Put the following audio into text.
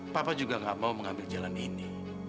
papa juga gak mau mengambil jalan ini